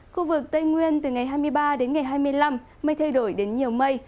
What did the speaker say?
khu vực tây nguyên từ ngày hai mươi ba đến ngày hai mươi năm mây thay đổi đến nhiều mây